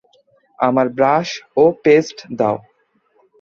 আমার ব্রাশ ও পেস্ট দাও।